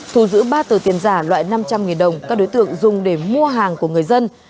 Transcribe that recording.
thu giữ ba tờ tiền giả loại năm trăm linh đồng các đối tượng dùng để mua hàng của người dân